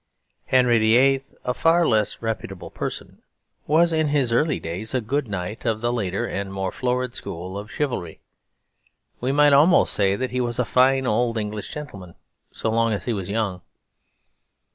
Henry VIII., a far less reputable person, was in his early days a good knight of the later and more florid school of chivalry; we might almost say that he was a fine old English gentleman so long as he was young.